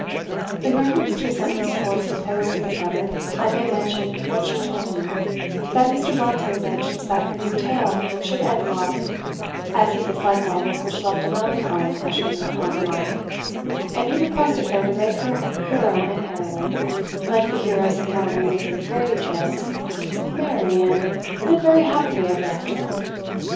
In reference to a sentence towards the close of this letter, I may mention what she told me; that Mr. Brontë was anxious that her new tale should end well, as he disliked novels which left a melancholy impression upon the mind; and he requested her to make her hero and heroine (like the heroes and heroines in fairy tales) "marry, and live very happily ever after."